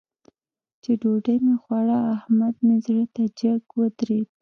چې ډوډۍ مې خوړه؛ احمد مې زړه ته جګ ودرېد.